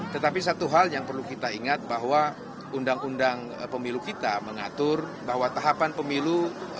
tetapi satu hal yang perlu kita ingat bahwa undang undang pemilu kita mengatur bahwa tahapan pemilu